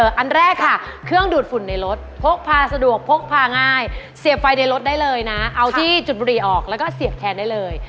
อันแรกค่ะเครื่องดูดฝุ่นในรถพกพาสะดวกพกพาง่ายเสียบไฟในรถได้เลยนะเอาที่จุดบุรีออกแล้วก็เสียบแทนได้เลย